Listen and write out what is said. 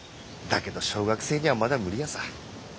だけど小学生にはまだ無理ヤサ。